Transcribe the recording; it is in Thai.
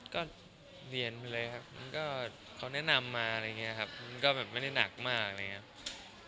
ก็เรียนไปเลยครับมันก็เขาแนะนำมาอะไรอย่างนี้ครับมันก็แบบไม่ได้หนักมากอะไรอย่างนี้